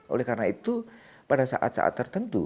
oleh karena itu pada saat saat tertentu